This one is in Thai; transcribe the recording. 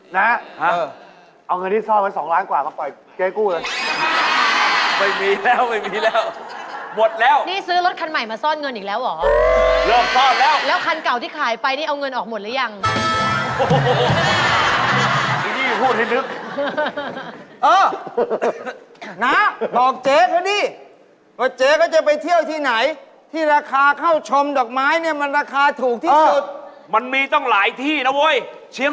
นะฮะเอาเงินที่ซ่อนไว้๒ล้านกว่ามาปล่อยเก๊กู้เลย